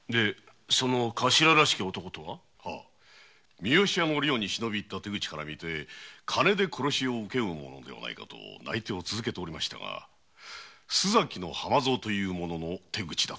三善屋の寮に忍び入った手口から金で殺しを請け負う者かと内偵を続けておりましたが洲崎の浜蔵という者の手口だとわかりました。